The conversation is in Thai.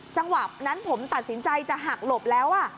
จังหวะนั้นผมตัดสินใจจะหักหลบแล้ว